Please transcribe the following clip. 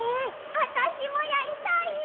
あたしもやりたい！